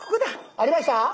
ありました？